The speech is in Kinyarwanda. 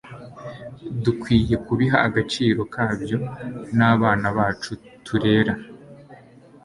dukwiye kubiha agaciro kabyo n'abana bacu turera